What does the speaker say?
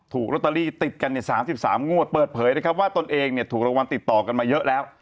ถูกลอตเตอรี่ติดกัน๓๓งวดเปิดเผยนะครับว่าตนเองเนี่ยถูกรางวัลติดต่อกันมาเยอะแล้ว